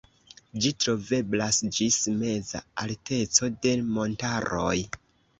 Ĝi troveblas ĝis meza alteco de montaroj.